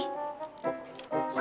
ya udah bang